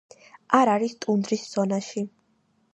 არ არის ტუნდრის ზონაში.